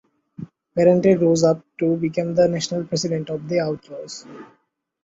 Parente rose up to become the national president of the Outlaws.